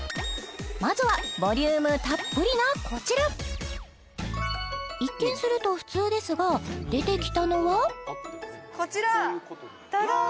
まずはボリュームたっぷりなこちら一見すると普通ですが出てきたのはこちらダダン！